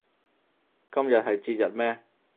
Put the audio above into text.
今日係節日咩